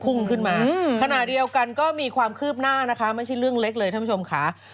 พุ่งขึ้นมาขณะเดียวกันก็มีความคืบหน้านะคะไม่ใช่เรื่องเล็กเลยท่านผู้ชมค่ะ